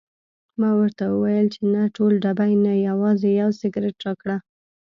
ما ورته وویل چې نه ټول ډبې نه، یوازې یو سګرټ راکړه.